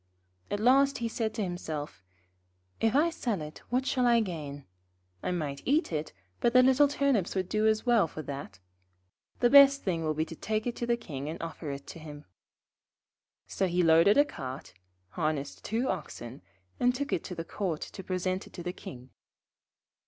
At last he said to himself: 'If I sell it what shall I gain? I might eat it, but the little Turnips would do as well for that. The best thing will be to take it to the King and offer it to him.' So he loaded a cart, harnessed two oxen, and took it to the Court to present it to the King.